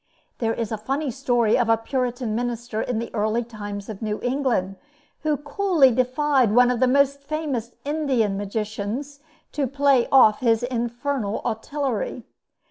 There is a funny story of a Puritan minister in the early times of New England, who coolly defied one of the most famous Indian magicians to play off his infernal artillery.